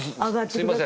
すみません。